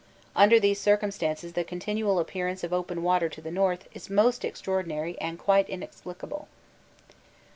Under these circumstances the continual appearance of open water to the north is most extraordinary and quite inexplicable.